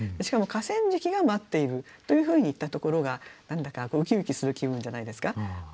しかも河川敷が待っているというふうに言ったところが何だかうきうきする気分じゃないですか。